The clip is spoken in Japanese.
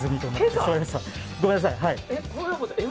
ごめんなさい。